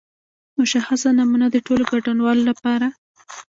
مشخصه نمونه د ټولو ګډونوالو لپاره.